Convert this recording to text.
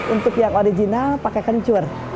untuk yang original pakai kencur